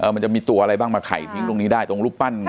มันจะมีตัวอะไรบ้างมาไข่ทิ้งตรงนี้ได้ตรงรูปปั้น